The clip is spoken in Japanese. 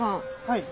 はい。